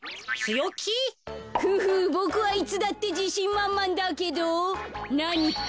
フフボクはいつだってじしんまんまんだけどなにか？